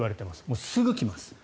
もうすぐに来ます。